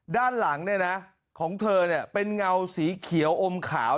ด้านหลังเนี่ยนะของเธอเนี่ยเป็นเงาสีเขียวอมขาว